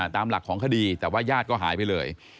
ตามหลักของคดีแต่ว่าญาติก็หายไปเลย